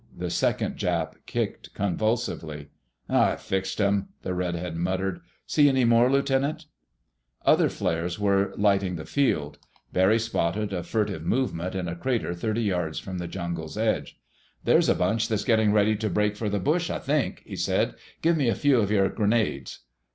The second Jap kicked convulsively. "I fixed him!" the redhead muttered. "See any more, Lieutenant?" [Illustration: Barry's Enemy Gasped and Dropped His Knife] Other flares were lighting the field. Barry spotted a furtive movement in a crater thirty yards from the jungle's edge. "There's a bunch that's getting ready to break for the bush, I think," he said. "Give me a few of your grenades."